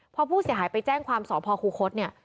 พอผู้เสียหายไปแจ้งความสอบพอคูคศเนี่ย